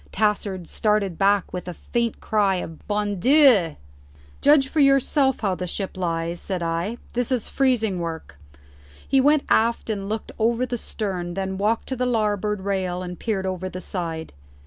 Tassard started back with a faint cry of "Bon Dieu!" "Judge for yourself how the ship lies," said I; "this is freezing work." He went aft and looked over the stern, then walked to the larboard rail and peered over the side.